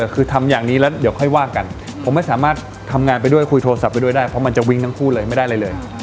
คือทำอย่างนี้แล้วเดี๋ยวค่อยว่ากันผมไม่สามารถทำงานไปด้วยคุยโทรศัพท์ไปด้วยได้เพราะมันจะวิ่งทั้งคู่เลยไม่ได้อะไรเลย